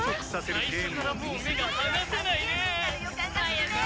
「最初からもう目が離せないねえ！」